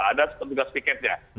ada juga tiketnya